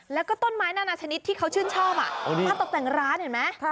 แล้วก็ต้นไม้นานาชนิดที่เขาชื่นชอบมาตกแต่งร้านเห็นไหม